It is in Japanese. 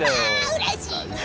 うれしい！